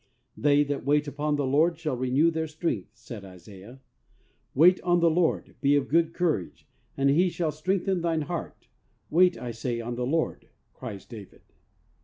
"They that wait upon the Lord shall renew their strength," said Isaiah. "Wait on the Lord; be of good courage, and He shall strengthen thine heart; wait, I say, on the Lord," cries David.